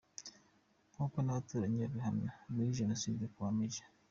Nkuko n’abaturanyi babihamya, muri Jenoside kwa Maj.